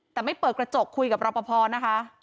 แต่ไม่เปิดกระจกคุยกับรอปภนะคะ